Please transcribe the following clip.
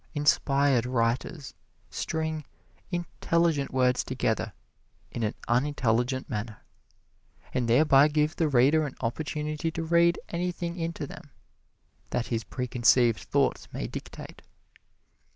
Inspired writers string intelligent words together in an unintelligent manner, and thereby give the reader an opportunity to read anything into them that his preconceived thoughts may dictate.